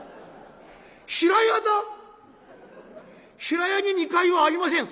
平屋に２階はありません」。